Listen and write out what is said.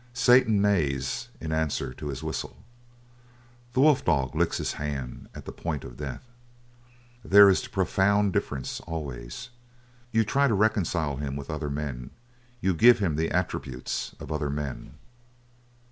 Satan neighs in answer to his whistle. The wolf dog licks his hand at the point of death. There is the profound difference, always. You try to reconcile him with other men; you give him the attributes of other men.